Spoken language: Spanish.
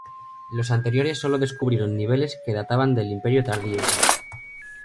Las anteriores sólo descubrieron niveles que databan del imperio tardío.